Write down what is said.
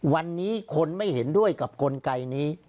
วันนี้คนไม่เห็นด้วยกับกลไกนี้